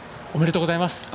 おめでとうございます。